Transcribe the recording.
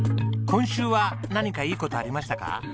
今週は何かいい事ありましたか？